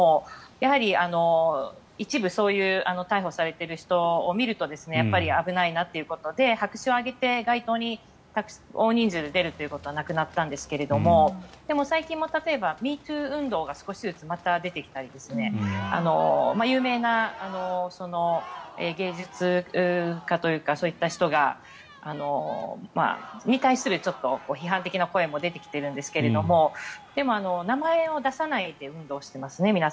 やはり一部、そういう逮捕されている人を見ると危ないなということで白紙を上げて、街頭に大人数で出るということはなくなったんですけれどもでも、最近も例えば「＃ＭｅＴｏｏ」運動がまた少しずつ出てきたりとか有名な芸術家というかそういった人に対する批判的な声も出てきているんですけれどもでも、名前を出さないで皆さん、運動していますね。